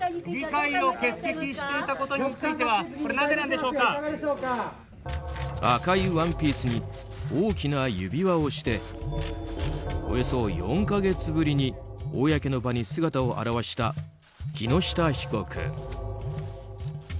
議会を欠席していたことについては赤いワンピースに大きな指輪をしておよそ４か月ぶりに公の場に姿を現した木下被告。